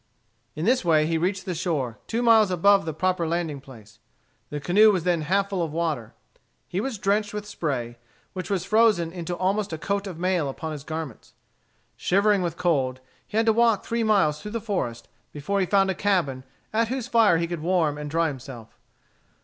In this way he reached the shore, two miles above the proper landing place. The canoe was then half full of water. He was drenched with spray, which was frozen into almost a coat of mail upon his garments. Shivering with cold, he had to walk three miles through the forest before he found a cabin at whose fire he could warm and dry himself.